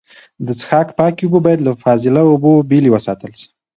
د څښاک پاکې اوبه باید له فاضله اوبو بېلې وساتل سي.